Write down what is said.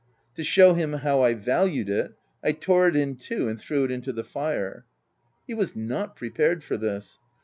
To show him how I valued it, I tore it in two, and threw it into the fire. He was not pre pared for this.